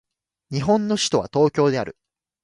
日本の首都は東京である